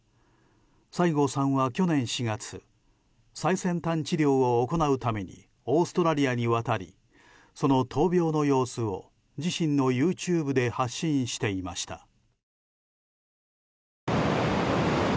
西郷さんは、去年４月最先端治療を行うためにオーストラリアに渡りその闘病の様子を自身のＹｏｕＴｕｂｅで発信していました。